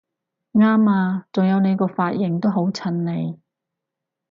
啱吖！仲有你個髮型都好襯你！